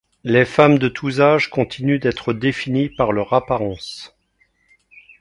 Les femmes de tous âges continuent d’être définies par leur apparence.